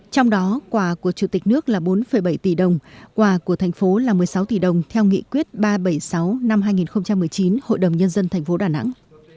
trong đó quà của chủ tịch nước là bốn bảy tỷ đồng quà của thành phố là một mươi sáu tỷ đồng theo nghị quyết ba trăm bảy mươi sáu năm hai nghìn một mươi chín hội đồng nhân dân thành phố đà nẵng